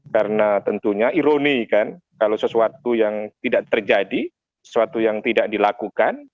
karena tentunya ironi kan kalau sesuatu yang tidak terjadi sesuatu yang tidak dilakukan